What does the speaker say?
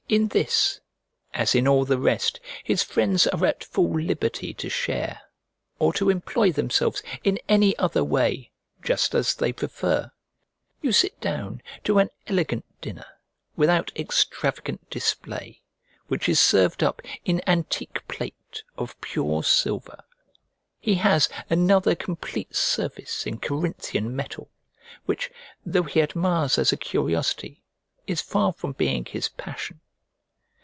In this, as in all the rest, his friends are at full liberty to share; or to employ themselves in any other way, just as they prefer. You sit down to an elegant dinner, without extravagant display, which is served up in antique plate of pure silver. He has another complete service in Corinthian metal, which, though he admires as a curiosity, is far from being his passion.